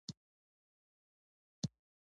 هغه اوس سپین سرې ده، لکه د پخوا په شان حوصله نه لري.